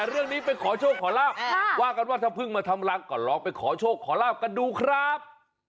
เรื่องนี้ไปขอโชคขอลาบว่ากันว่าถ้าเพิ่งมาทำรังก็ลองไปขอโชคขอลาบกันดูครับ